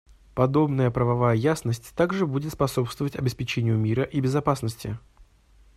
Подобная правовая ясность также будет способствовать обеспечению мира и безопасности.